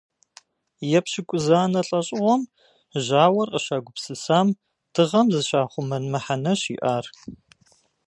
Епщыкӏузанэ лӏэщӏыгъуэм жьауэр къыщагупсысам дыгъэм зыщахъумэн мыхьэнэщ иӏар.